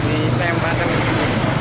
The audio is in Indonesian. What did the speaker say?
ini saya melakukannya